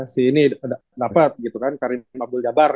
si ini dapet gitu kan karim abdul jabar